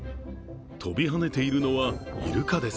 飛び跳ねているのはイルカです。